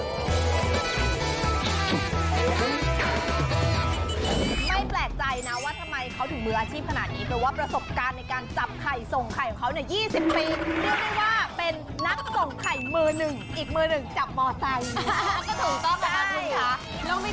ไม่แปลกใจนะว่าทำไมเขาอยู่มืออาชีพขนาดนี้